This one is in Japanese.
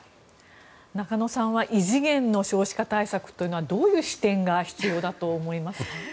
中野さんは異次元の少子化対策というのはどういう視点が必要だと思いますか？